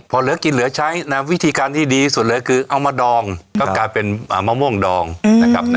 พอเหลือกินเหลือใช้วิธีการที่ดีสุดเลยคือเอามาดองก็กลายเป็นมะม่วงดองนะครับ